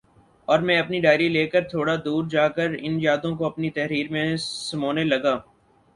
اور میں اپنی ڈائری لے کر تھوڑا دور جا کر ان یادوں کو اپنی تحریر میں سمونے لگا